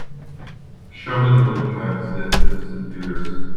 show me the movie times in Dipson Theatres